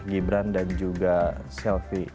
gibran dan juga selvi